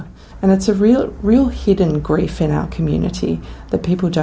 dan itu adalah kesalahan yang benar benar tersembunyi di komunitas kami